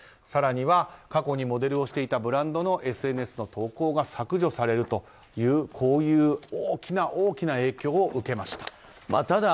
更には、過去にモデルをしていたブランドのＳＮＳの投稿が削除されるという大きな影響を受けました。